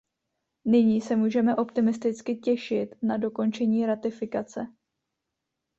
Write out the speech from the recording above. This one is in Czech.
Nyní se můžeme optimisticky těšit na dokončení ratifikace.